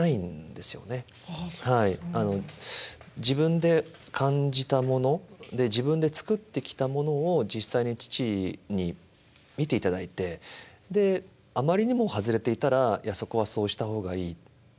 自分で感じたもので自分で作ってきたものを実際に父に見ていただいてであまりにも外れていたら「いやそこはそうした方がいい」。